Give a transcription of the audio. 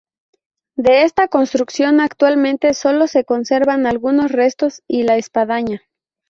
De esta construcción actualmente solo se conservan algunos restos y la espadaña.